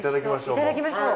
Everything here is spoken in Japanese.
いただきましょう。